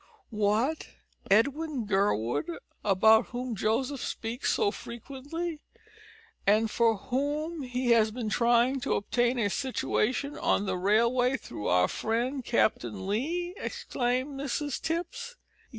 "What! Edwin Gurwood, about whom Joseph speaks so frequently, and for whom he has been trying to obtain a situation on the railway through our friend Captain Lee?" exclaimed Mrs Tipps.